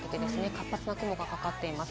活発な雨雲がかかっています。